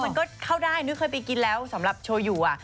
มันก็เข้าได้นึกเคยไปกินแล้วสำหรับโชยูอ่ะ